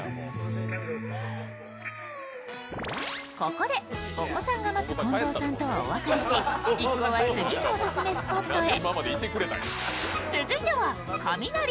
ここで、お子さんが待つ近藤さんとはお別れし一行は次のオススメスポットへ。